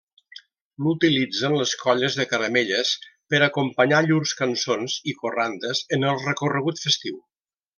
L'utilitzen les colles de caramelles per acompanyar llurs cançons i corrandes en el recorregut festiu.